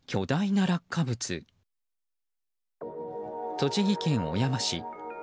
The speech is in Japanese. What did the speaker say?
栃木県小山市。